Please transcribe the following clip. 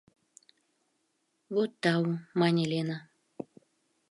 — Вот тау, — мане Лена.